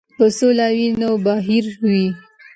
که سوله وي نو بهار وي.